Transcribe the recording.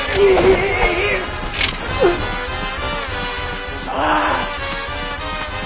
くそ！